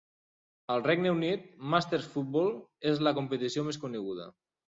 Al Regne Unit, Masters Football és la competició més coneguda.